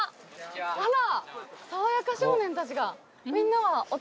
あら。